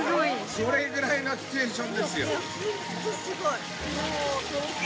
それぐらいのシチュエーションで本当すごい。